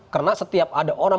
karena setiap ada orang